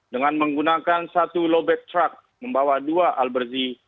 dengan menggunakan satu low back truck membawa dua albersi